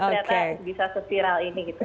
seatanya bisa se viral ini gitu